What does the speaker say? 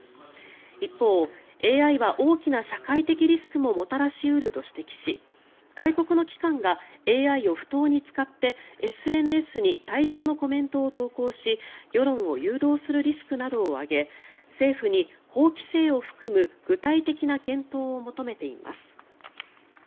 一方、ＡＩは大きな社会的リスクももたらし得ると指摘し外国の機関がＡＩを不当に使ってＳＮＳに大量のコメントを投稿し世論を誘導するリスクなどを挙げ政府に法規制を含む具体的な検討を求めています。